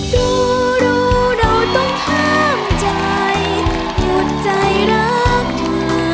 ดูรู้เราต้องห้ามใจหยุดใจรักเธอ